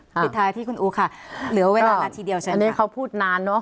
ผิดท้ายพี่คุณอู๋ค่ะเหลือเวลานาทีเดียวใช่ไหม